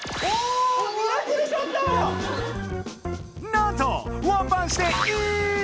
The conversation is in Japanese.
なんとワンバンしてイン！